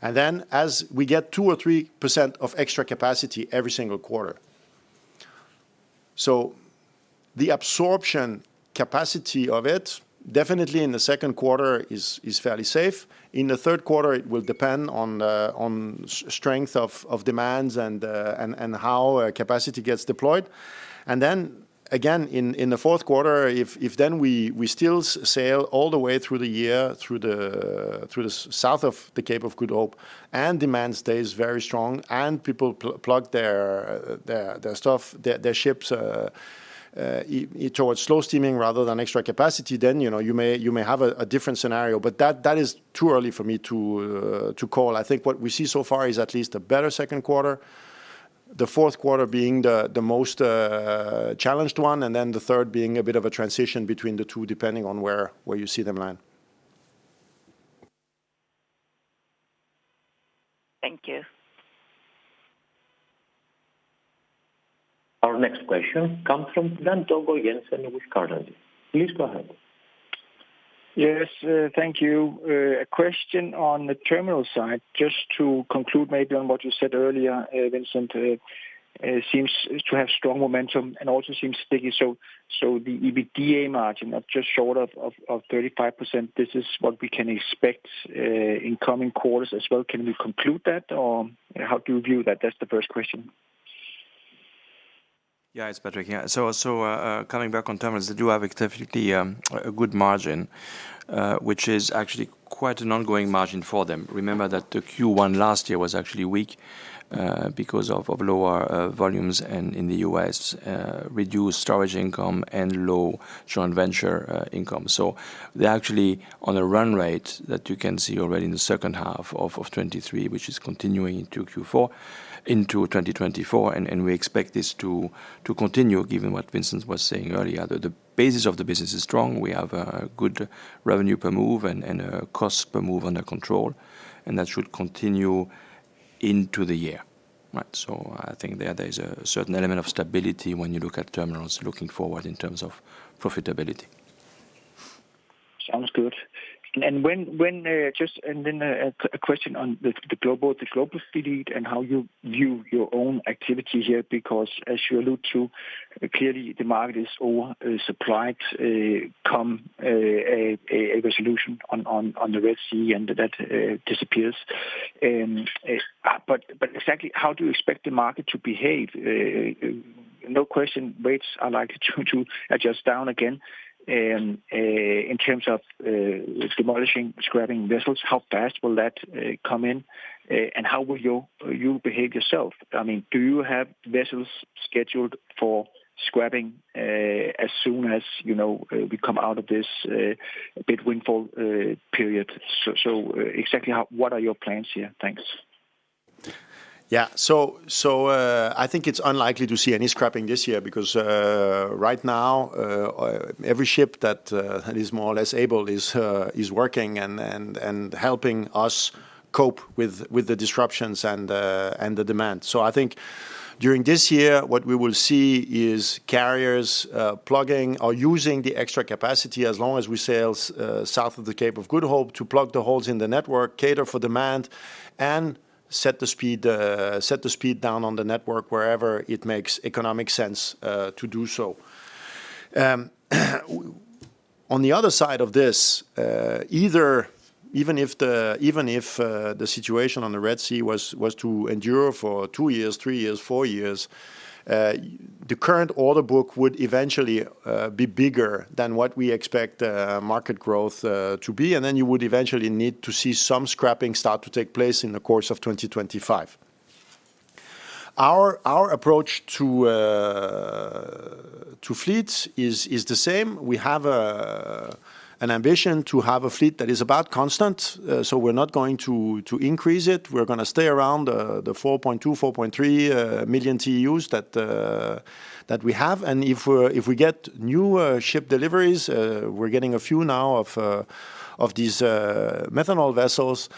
And then as we get 2% or 3% of extra capacity every single quarter, so the absorption capacity of it, definitely in the second quarter, is fairly safe. In the third quarter, it will depend on strength of demands and how capacity gets deployed. And then again, in the fourth quarter, if then we still sail all the way through the year through the south of the Cape of Good Hope and demand stays very strong and people plug their ships towards slow steaming rather than extra capacity, then you may have a different scenario. But that is too early for me to call. I think what we see so far is at least a better second quarter, the fourth quarter being the most challenged one, and then the third being a bit of a transition between the two depending on where you see them land. Thank you. Our next question comes from Dan Togo Jensen with Carnegie. Please go ahead. Yes. Thank you. A question on the terminal side, just to conclude maybe on what you said earlier, Vincent, seems to have strong momentum and also seems sticky. So the EBITDA margin, just short of 35%, this is what we can expect in coming quarters as well. Can we conclude that, or how do you view that? That's the first question. Yeah. It's Patrick. Yeah. So coming back on terminals, they do have definitely a good margin, which is actually quite an ongoing margin for them. Remember that the Q1 last year was actually weak because of lower volumes in the U.S., reduced storage income, and low joint venture income. So they're actually on a run rate that you can see already in the second half of 2023, which is continuing into Q4, into 2024. And we expect this to continue given what Vincent was saying earlier. The basis of the business is strong. We have a good revenue per move and a cost per move under control. And that should continue into the year, right? So I think there is a certain element of stability when you look at terminals looking forward in terms of profitability. Sounds good. Then a question on the global supply and how you view your own activity here because, as you allude to, clearly the market is over-supplied. Come a resolution on the Red Sea, and that disappears. But exactly how do you expect the market to behave? No question. Rates are likely to adjust down again in terms of demolishing, scrapping vessels. How fast will that come in, and how will you behave yourself? I mean, do you have vessels scheduled for scrapping as soon as we come out of this big windfall period? So exactly what are your plans here? Thanks. Yeah. So I think it's unlikely to see any scrapping this year because right now, every ship that is more or less able is working and helping us cope with the disruptions and the demand. So I think during this year, what we will see is carriers plugging or using the extra capacity as long as we sail south of the Cape of Good Hope to plug the holes in the network, cater for demand, and set the speed down on the network wherever it makes economic sense to do so. On the other side of this, even if the situation on the Red Sea was to endure for two years, three years, four years, the current order book would eventually be bigger than what we expect market growth to be. And then you would eventually need to see some scrapping start to take place in the course of 2025. Our approach to fleets is the same. We have an ambition to have a fleet that is about constant. So we're not going to increase it. We're going to stay around 4.2-4.3 million TEUs that we have. And if we get new ship deliveries, we're getting a few now of these methanol vessels,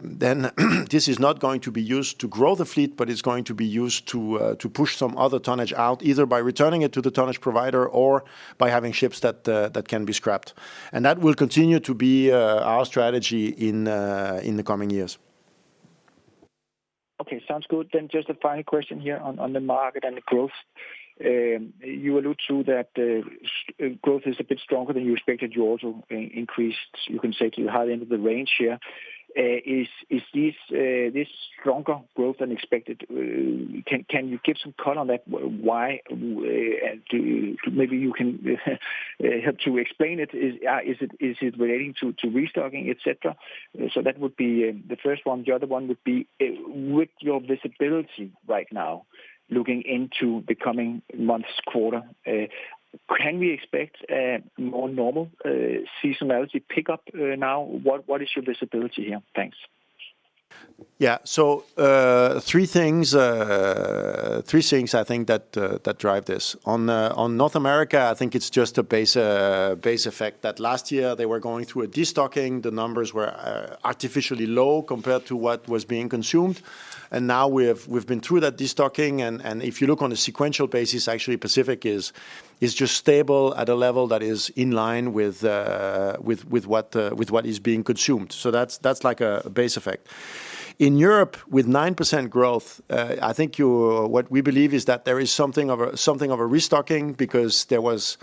then this is not going to be used to grow the fleet, but it's going to be used to push some other tonnage out either by returning it to the tonnage provider or by having ships that can be scrapped. And that will continue to be our strategy in the coming years. Okay. Sounds good. Then just a final question here on the market and the growth. You allude to that growth is a bit stronger than you expected. You also increased, you can say, to the high end of the range here. Is this stronger growth than expected? Can you give some color on that? Why? Maybe you can help to explain it. Is it relating to restocking, etc.? So that would be the first one. The other one would be, with your visibility right now looking into the coming months, quarter, can we expect more normal seasonality pickup now? What is your visibility here? Thanks. Yeah. So three things, three things, I think, that drive this. On North America, I think it's just a base effect that last year, they were going through a destocking. The numbers were artificially low compared to what was being consumed. And now we've been through that destocking. And if you look on a sequential basis, actually, Pacific is just stable at a level that is in line with what is being consumed. So that's like a base effect. In Europe, with 9% growth, I think what we believe is that there is something of a restocking because there was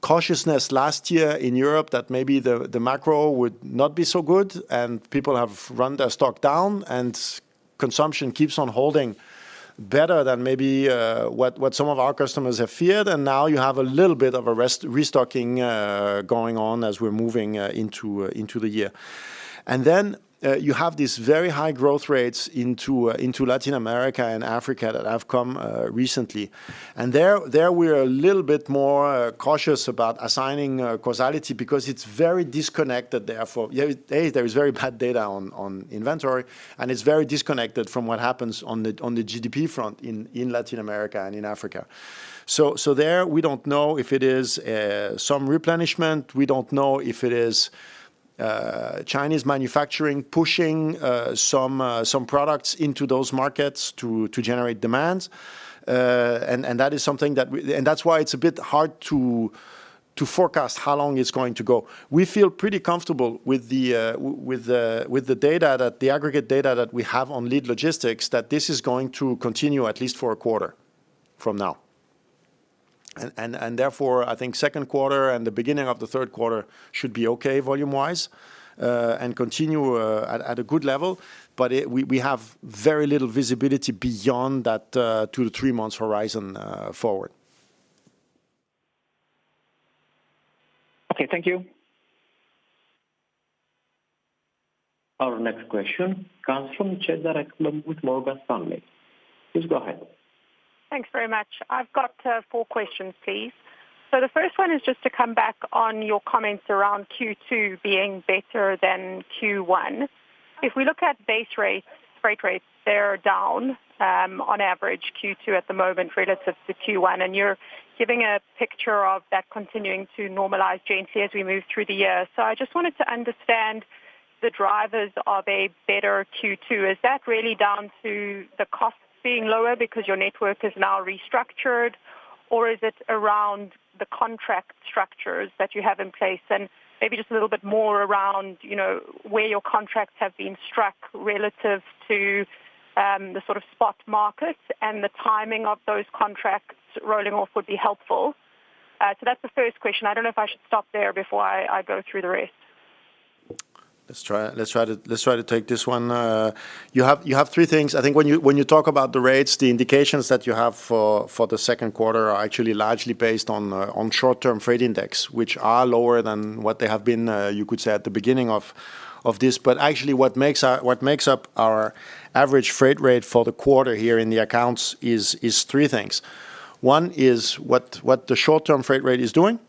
cautiousness last year in Europe that maybe the macro would not be so good, and people have run their stock down, and consumption keeps on holding better than maybe what some of our customers have feared. Now you have a little bit of a restocking going on as we're moving into the year. And then you have these very high growth rates into Latin America and Africa that have come recently. And there, we're a little bit more cautious about assigning causality because it's very disconnected. There is very bad data on inventory, and it's very disconnected from what happens on the GDP front in Latin America and in Africa. So there, we don't know if it is some replenishment. We don't know if it is Chinese manufacturing pushing some products into those markets to generate demand. And that's why it's a bit hard to forecast how long it's going to go. We feel pretty comfortable with the data that the aggregate data that we have on lead logistics, that this is going to continue at least for a quarter from now. And therefore, I think second quarter and the beginning of the third quarter should be okay volume-wise and continue at a good level. But we have very little visibility beyond that 2-3-month horizon forward. Okay. Thank you. Our next question comes from Cedar Ekblom with Morgan Stanley. Please go ahead. Thanks very much. I've got four questions, please. So the first one is just to come back on your comments around Q2 being better than Q1. If we look at base rates, freight rates, they're down on average, Q2 at the moment, relative to Q1. And you're giving a picture of that continuing to normalize gently as we move through the year. So I just wanted to understand the drivers of a better Q2. Is that really down to the costs being lower because your network is now restructured, or is it around the contract structures that you have in place? And maybe just a little bit more around where your contracts have been struck relative to the sort of spot markets and the timing of those contracts rolling off would be helpful. So that's the first question. I don't know if I should stop there before I go through the rest. Let's try to take this one. You have three things. I think when you talk about the rates, the indications that you have for the second quarter are actually largely based on short-term freight index, which are lower than what they have been, you could say, at the beginning of this. But actually, what makes up our average freight rate for the quarter here in the accounts is three things. One is what the short-term freight rate is doing.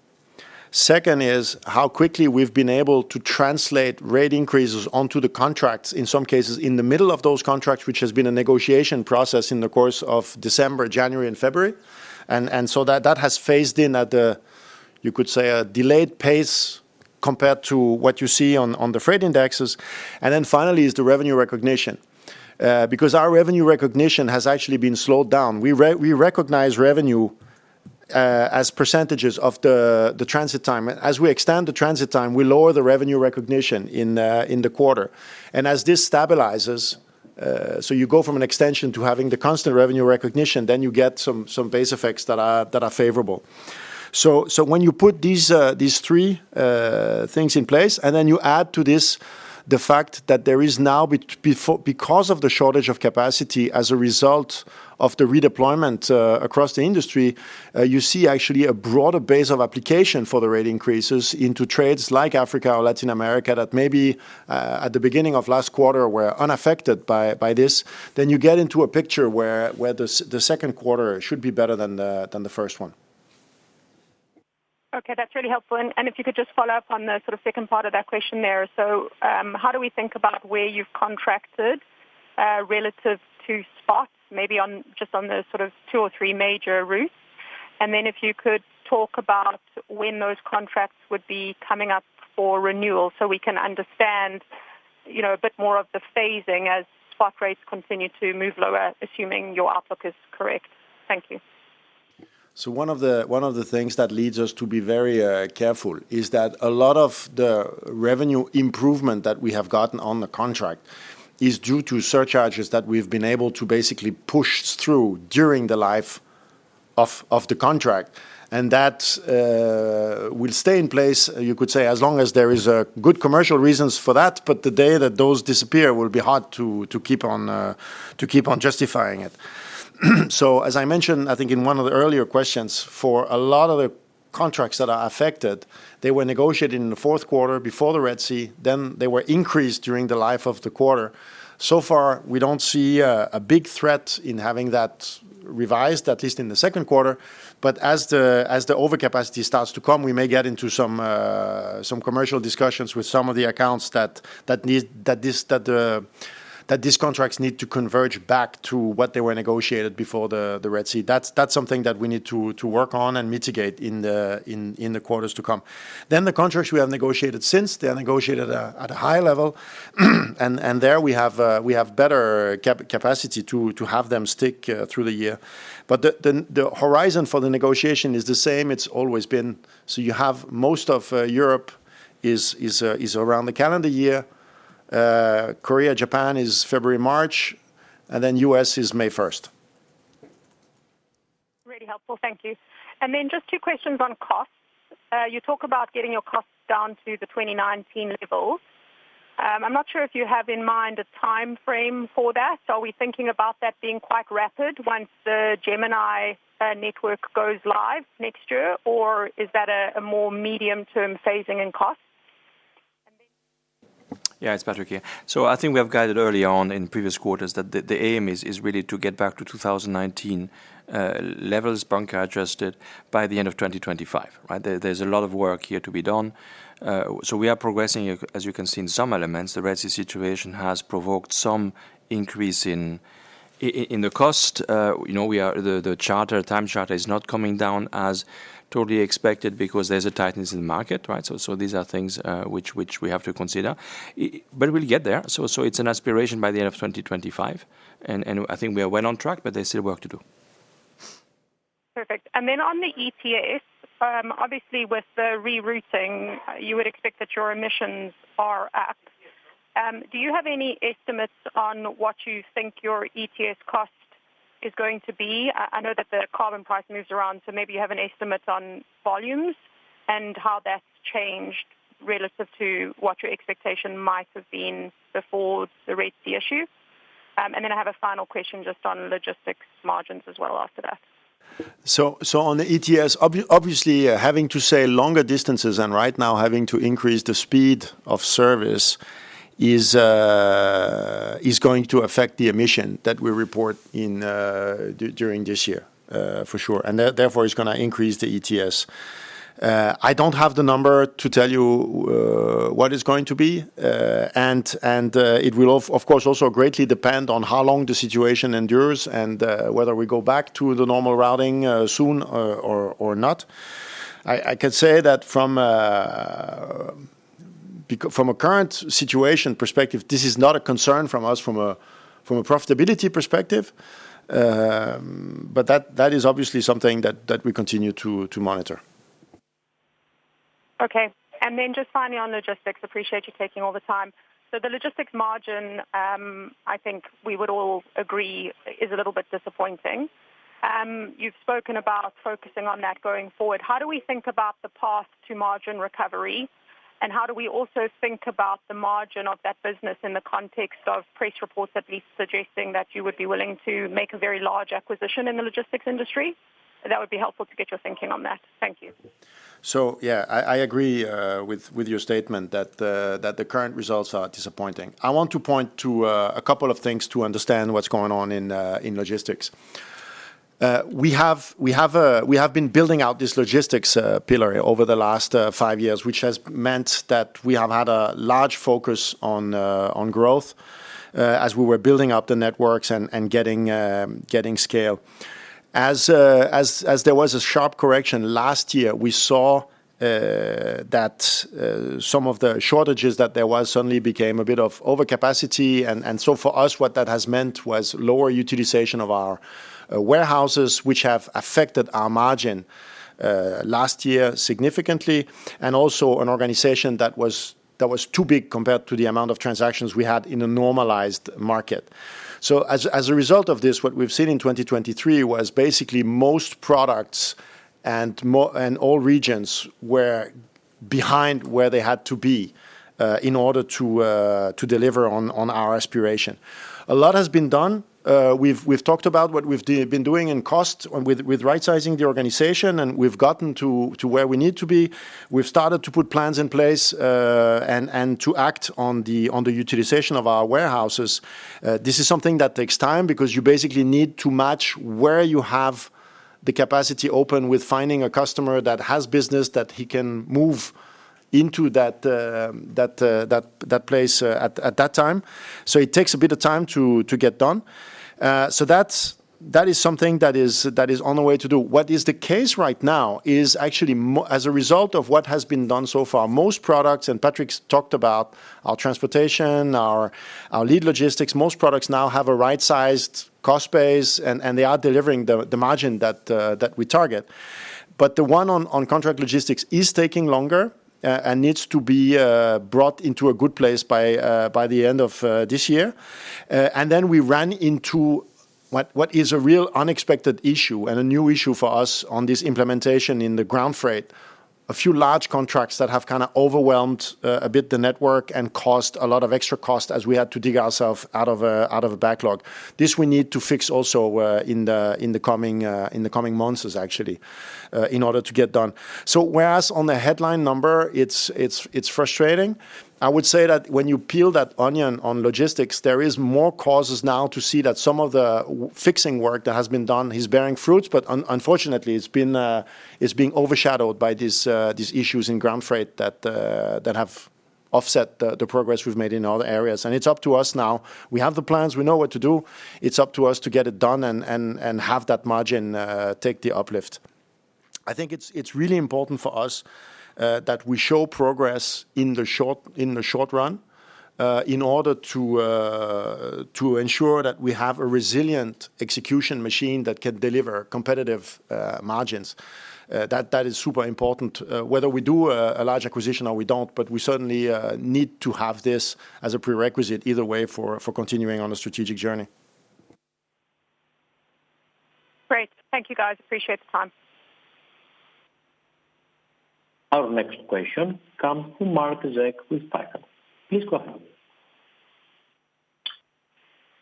Second is how quickly we've been able to translate rate increases onto the contracts, in some cases in the middle of those contracts, which has been a negotiation process in the course of December, January, and February. And so that has phased in at the, you could say, a delayed pace compared to what you see on the freight indexes. And then finally is the revenue recognition because our revenue recognition has actually been slowed down. We recognize revenue as percentages of the transit time. As we extend the transit time, we lower the revenue recognition in the quarter. And as this stabilizes, so you go from an extension to having the constant revenue recognition, then you get some base effects that are favorable. So when you put these three things in place and then you add to this the fact that there is now, because of the shortage of capacity as a result of the redeployment across the industry, you see actually a broader base of application for the rate increases into trades like Africa or Latin America that maybe at the beginning of last quarter were unaffected by this, then you get into a picture where the second quarter should be better than the first one. Okay. That's really helpful. And if you could just follow up on the sort of second part of that question there. So how do we think about where you've contracted relative to spots, maybe just on the sort of two or three major routes? And then if you could talk about when those contracts would be coming up for renewal so we can understand a bit more of the phasing as spot rates continue to move lower, assuming your outlook is correct. Thank you. So one of the things that leads us to be very careful is that a lot of the revenue improvement that we have gotten on the contract is due to surcharges that we've been able to basically push through during the life of the contract. And that will stay in place, you could say, as long as there are good commercial reasons for that. But the day that those disappear, it will be hard to keep on justifying it. So as I mentioned, I think in one of the earlier questions, for a lot of the contracts that are affected, they were negotiated in the fourth quarter before the Red Sea. Then they were increased during the life of the quarter. So far, we don't see a big threat in having that revised, at least in the second quarter. As the overcapacity starts to come, we may get into some commercial discussions with some of the accounts that these contracts need to converge back to what they were negotiated before the Red Sea. That's something that we need to work on and mitigate in the quarters to come. The contracts we have negotiated since, they are negotiated at a high level. And there, we have better capacity to have them stick through the year. But the horizon for the negotiation is the same. It's always been. So you have most of Europe is around the calendar year. Korea, Japan is February, March. And then US is May 1st. Really helpful. Thank you. And then just two questions on costs. You talk about getting your costs down to the 2019 levels. I'm not sure if you have in mind a time frame for that. Are we thinking about that being quite rapid once the Gemini network goes live next year, or is that a more medium-term phasing in costs? And then. Yeah. It's Patrick here. So I think we have guided early on in previous quarters that the aim is really to get back to 2019 levels, bunker adjusted, by the end of 2025, right? There's a lot of work here to be done. So we are progressing, as you can see, in some elements. The Red Sea situation has provoked some increase in the cost. The time charter is not coming down as totally expected because there's a tightness in the market, right? So these are things which we have to consider. But we'll get there. So it's an aspiration by the end of 2025. And I think we are well on track, but there's still work to do. Perfect. And then on the ETS, obviously, with the rerouting, you would expect that your emissions are up. Do you have any estimates on what you think your ETS cost is going to be? I know that the carbon price moves around, so maybe you have an estimate on volumes and how that's changed relative to what your expectation might have been before the Red Sea issue. And then I have a final question just on logistics margins as well after that. On the ETS, obviously, having to say longer distances and right now having to increase the speed of service is going to affect the emission that we report during this year, for sure. Therefore, it's going to increase the ETS. I don't have the number to tell you what it's going to be. It will, of course, also greatly depend on how long the situation endures and whether we go back to the normal routing soon or not. I can say that from a current situation perspective, this is not a concern from us from a profitability perspective. That is obviously something that we continue to monitor. Okay. And then just finally on logistics, appreciate you taking all the time. So the logistics margin, I think we would all agree, is a little bit disappointing. You've spoken about focusing on that going forward. How do we think about the path to margin recovery? And how do we also think about the margin of that business in the context of press reports at least suggesting that you would be willing to make a very large acquisition in the logistics industry? That would be helpful to get your thinking on that. Thank you. So yeah, I agree with your statement that the current results are disappointing. I want to point to a couple of things to understand what's going on in logistics. We have been building out this logistics pillar over the last five years, which has meant that we have had a large focus on growth as we were building up the networks and getting scale. As there was a sharp correction last year, we saw that some of the shortages that there was suddenly became a bit of overcapacity. And so for us, what that has meant was lower utilization of our warehouses, which have affected our margin last year significantly, and also an organization that was too big compared to the amount of transactions we had in a normalized market. As a result of this, what we've seen in 2023 was basically most products and all regions were behind where they had to be in order to deliver on our aspiration. A lot has been done. We've talked about what we've been doing in cost with right-sizing the organization, and we've gotten to where we need to be. We've started to put plans in place and to act on the utilization of our warehouses. This is something that takes time because you basically need to match where you have the capacity open with finding a customer that has business that he can move into that place at that time. So it takes a bit of time to get done. So that is something that is on the way to do. What is the case right now is actually as a result of what has been done so far, most products and Patrick talked about our transportation, our lead logistics, most products now have a right-sized cost base, and they are delivering the margin that we target. But the one on contract logistics is taking longer and needs to be brought into a good place by the end of this year. And then we ran into what is a real unexpected issue and a new issue for us on this implementation in the ground freight, a few large contracts that have kind of overwhelmed a bit the network and caused a lot of extra cost as we had to dig ourselves out of a backlog. This we need to fix also in the coming months, actually, in order to get done. So whereas on the headline number, it's frustrating. I would say that when you peel that onion on logistics, there are more causes now to see that some of the fixing work that has been done is bearing fruits. But unfortunately, it's being overshadowed by these issues in ground freight that have offset the progress we've made in other areas. And it's up to us now. We have the plans. We know what to do. It's up to us to get it done and have that margin take the uplift. I think it's really important for us that we show progress in the short run in order to ensure that we have a resilient execution machine that can deliver competitive margins. That is super important, whether we do a large acquisition or we don't. But we certainly need to have this as a prerequisite either way for continuing on a strategic journey. Great. Thank you, guys. Appreciate the time. Our next question comes from Marc Zeck with Stifel. Please go ahead.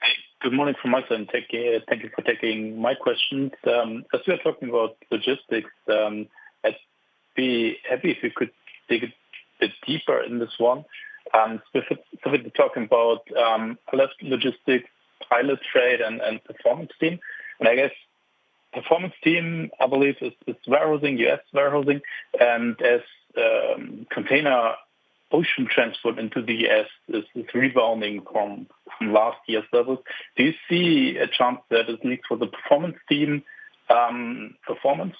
Hey. Good morning from Michael. Thank you for taking my questions. As we were talking about logistics, I'd be happy if we could dig a bit deeper in this one. We've been talking about a lot of logistics, Pilot trade, and Performance Team. I guess Performance Team, I believe, is U.S. warehousing. As container ocean transport into the U.S. is rebounding from last year's levels, do you see a chance that at least for the Performance Team, performance,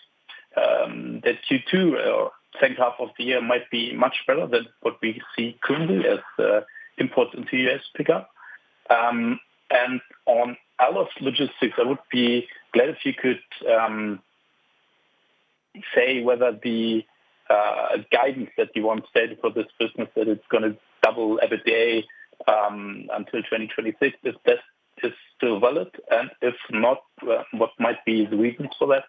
that Q2 or second half of the year might be much better than what we see currently as imports into the U.S. pick up? On our logistics, I would be glad if you could say whether the guidance that you want stated for this business that it's going to double every day until 2026, if that is still valid, and if not, what might be the reasons for that.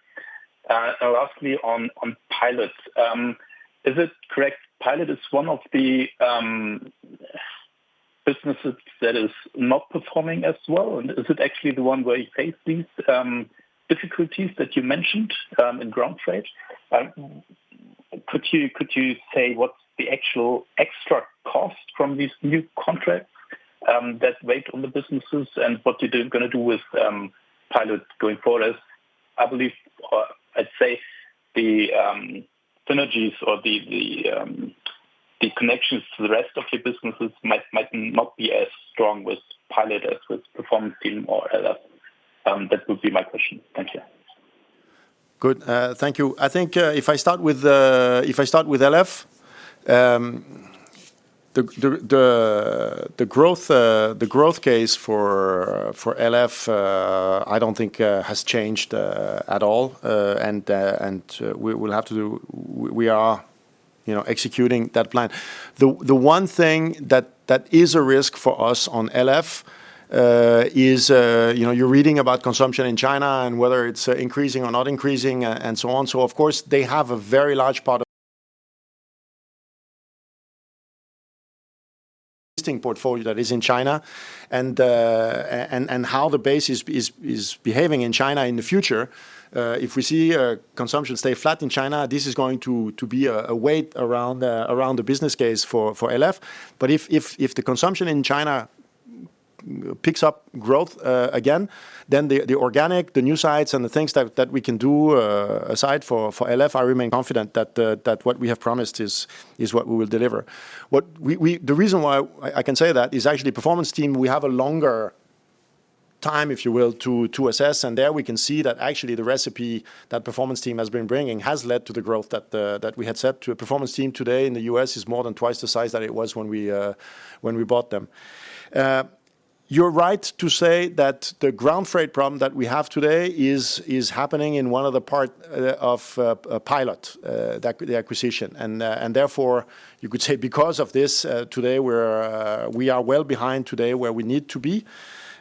Lastly, on Pilot, is it correct Pilot is one of the businesses that is not performing as well? And is it actually the one where you face these difficulties that you mentioned in ground freight? Could you say what's the actual extra cost from these new contracts that weighed on the businesses and what you're going to do with Pilot going forward? I believe, or I'd say, the synergies or the connections to the rest of your businesses might not be as strong with Pilot as with Performance Team or LF. That would be my question. Thank you. Good. Thank you. I think if I start with LF, the growth case for LF, I don't think has changed at all. And we are executing that plan. The one thing that is a risk for us on LF is you're reading about consumption in China and whether it's increasing or not increasing and so on. So of course, they have a very large part of existing portfolio that is in China and how the base is behaving in China in the future. If we see consumption stay flat in China, this is going to be a weight around the business case for LF. But if the consumption in China picks up growth again, then the organic, the new sites, and the things that we can do aside for LF, I remain confident that what we have promised is what we will deliver. The reason why I can say that is actually Performance Team, we have a longer time, if you will, to assess. And there, we can see that actually the recipe that Performance Team has been bringing has led to the growth that we had set. The Performance Team today in the U.S. is more than twice the size that it was when we bought them. You're right to say that the ground freight problem that we have today is happening in one of the parts of Pilot, the acquisition. And therefore, you could say because of this, today, we are well behind today where we need to be.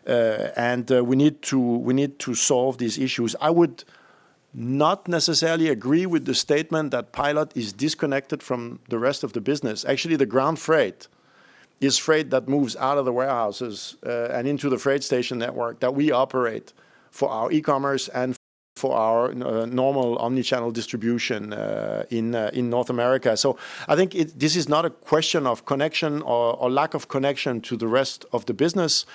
And we need to solve these issues. I would not necessarily agree with the statement that Pilot is disconnected from the rest of the business. Actually, the ground freight is freight that moves out of the warehouses and into the freight station network that we operate for our e-commerce and for our normal omnichannel distribution in North America. So I think this is not a question of connection or lack of connection to the rest of the business.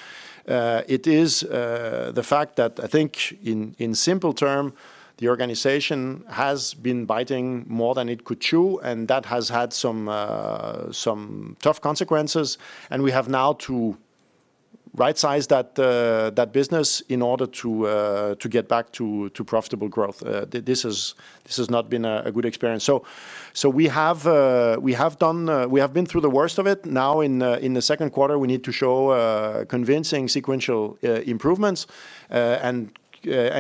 It is the fact that I think, in simple terms, the organization has been biting more than it could chew. And that has had some tough consequences. And we have now to right-size that business in order to get back to profitable growth. This has not been a good experience. So we have been through the worst of it. Now, in the second quarter, we need to show convincing sequential improvements and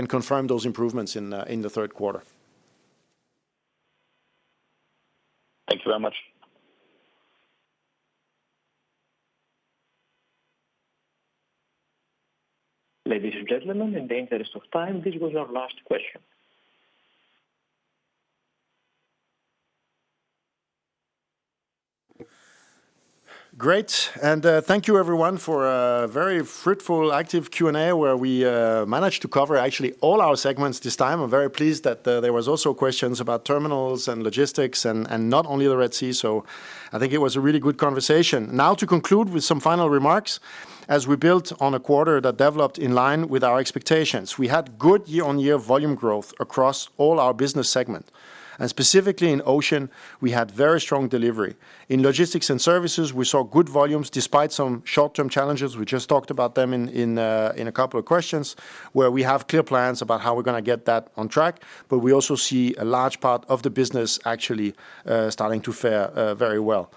confirm those improvements in the third quarter. Thank you very much. Ladies and gentlemen, in the interest of time, this was our last question. Great. Thank you, everyone, for a very fruitful, active Q&A where we managed to cover actually all our segments this time. I'm very pleased that there were also questions about terminals and logistics and not only the Red Sea. So I think it was a really good conversation. Now, to conclude with some final remarks, as we built on a quarter that developed in line with our expectations, we had good year-on-year volume growth across all our business segments. Specifically in ocean, we had very strong delivery. In logistics and services, we saw good volumes despite some short-term challenges. We just talked about them in a couple of questions where we have clear plans about how we're going to get that on track. We also see a large part of the business actually starting to fare very well.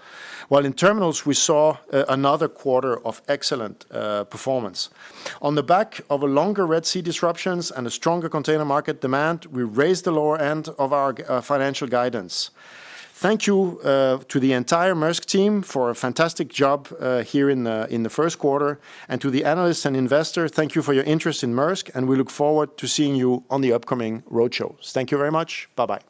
While in terminals, we saw another quarter of excellent performance. On the back of a longer Red Sea disruptions and a stronger container market demand, we raised the lower end of our financial guidance. Thank you to the entire Maersk team for a fantastic job here in the first quarter. To the analysts and investors, thank you for your interest in Maersk. We look forward to seeing you on the upcoming roadshows. Thank you very much. Bye-bye.